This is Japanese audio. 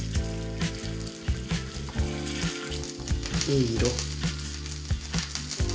いい色。